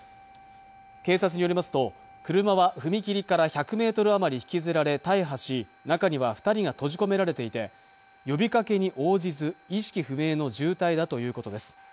警察によりますと車は踏切から１００メートル余り引きずられ大破し中には二人が閉じ込められていて呼びかけに応じず意識不明の重体だということです